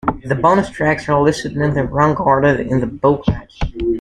The bonus tracks are listed in the wrong order in the booklet.